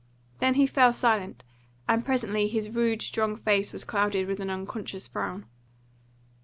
Then he fell silent, and presently his rude, strong face was clouded with an unconscious frown.